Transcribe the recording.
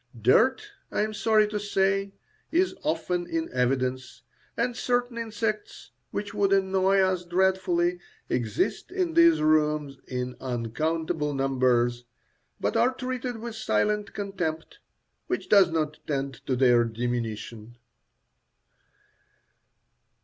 Dirt, I am sorry to say, is often in evidence, and certain insects which would annoy us dreadfully exist in these rooms in uncountable numbers, but are treated with silent contempt, which does not tend to their diminution.